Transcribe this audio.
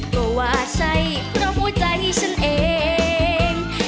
ก็ว่าใช่เพราะหัวใจฉันเอง